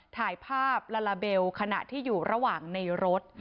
ถ่ายภาพลาลาเบลขณะที่อยู่ระหว่างในรถ